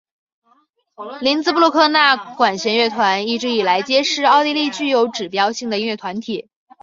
林兹布鲁克纳管弦乐团一直以来皆是奥地利具有指标性的音乐团体。